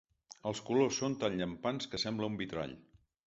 Els colors són tan llampants que sembla un vitrall.